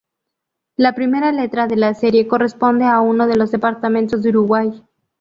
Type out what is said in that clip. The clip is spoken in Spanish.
La primera letra de la serie corresponde a uno de los departamentos de Uruguay.